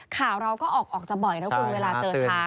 ข่าวเราก็ออกจะบ่อยนะคุณเวลาเจอช้า